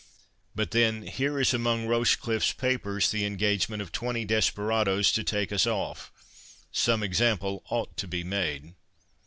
"But then, here is among Rochecliffe's papers the engagement of twenty desperadoes to take us off—some example ought to be made."